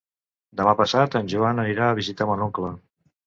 Demà passat en Joan anirà a visitar mon oncle.